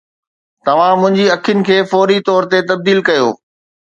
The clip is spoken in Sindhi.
توهان منهنجي اکين کي فوري طور تي تبديل ڪيو